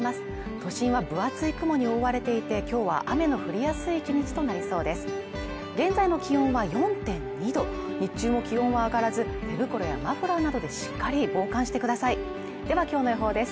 都心は分厚い雲に覆われていてきょうは雨の降りやすい１日となりそうです